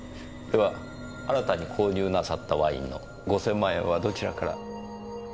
では新たに購入なさったワインの５０００万円はどちらから？